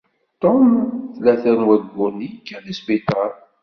Tom tlata n wayyuren i yekka deg sbiṭar.